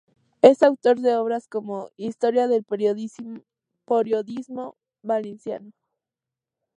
Es autor de obras como "Historia del periodismo valenciano.